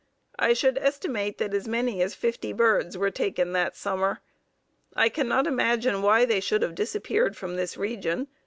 I should estimate that as many as fifty birds were taken that summer. I cannot imagine why they should have disappeared from this region.